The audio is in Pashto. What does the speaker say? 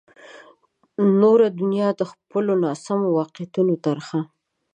نوره دنیا د خپلو ناسمو واقعیتونو ترخه.